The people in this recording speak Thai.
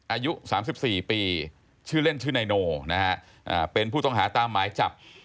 อายุสามสิบสี่ปีชื่อเล่นชื่อไนโนนะฮะเป็นผู้ต้องหาตามหมายจับ